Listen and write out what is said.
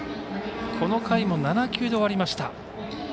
この回も７球で終わりました。